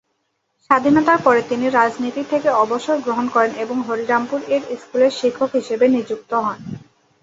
স্বাধীনতার পরে তিনি রাজনীতি থেকে অবসর গ্রহণ করেন এবং হরিরামপুর এর স্কুলের শিক্ষক হিসাবে নিযুক্ত হন।